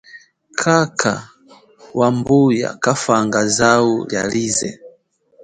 Khakha, wa mbuya kafanga zau lialize.